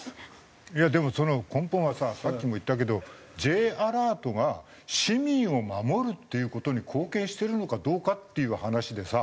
いやでもその根本はささっきも言ったけどＪアラートが市民を守るっていう事に貢献してるのかどうかっていう話でさ。